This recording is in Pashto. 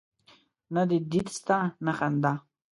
نه دي دید سته نه خندا